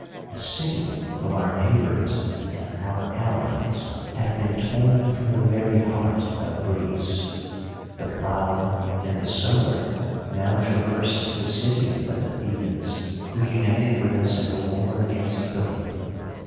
A city of our neighbors and our allies hath been torn from the very heart of Greece. The plower and the sower now traverse the city of the Thebans, who united with us in the war against Philip.